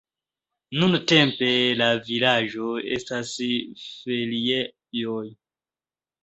Nuntempe la vilaĝo estas feriejo.